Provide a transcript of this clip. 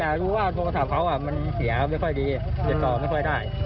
แต่รู้ว่าโทรศัพท์เขามันเสียไม่ค่อยดีติดต่อไม่ค่อยได้